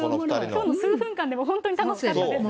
きょうの数分間で本当に楽しかったですよ。